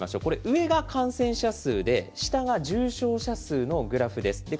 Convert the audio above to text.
これ、上が感染者数で、下が重症者数のグラフです。